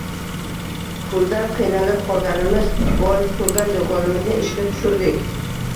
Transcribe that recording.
Puldan qiynalib qolganimiz bois qurgan do`konimizni ishga tushirdik